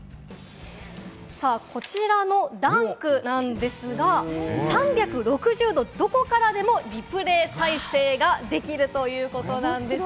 こちらのダンクなんですが、３６０度、どこからでもリプレー再生ができるということなんです。